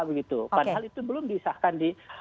padahal itu belum diisahkan